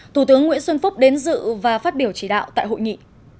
thủ tướng nguyễn xuân phúc đến dự và phát biểu chỉ đạo tại hội nghị